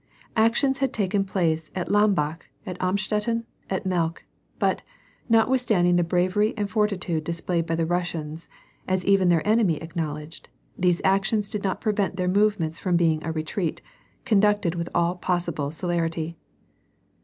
Actions had taken place at Lambach, Amstetten and Melck, but, notwithstanding the bravery and fortitude displayed by the Russians, as even their enemy acknowledged, these actions did not prevent their movement from being a retreat, conducted with all possible celerity.